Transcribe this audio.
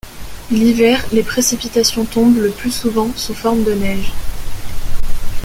L'hiver, les précipitations tombent, le plus souvent, sous forme de neige.